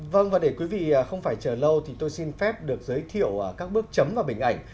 vâng và để quý vị không phải chờ lâu thì tôi xin phép được giới thiệu các bước chấm và bình ảnh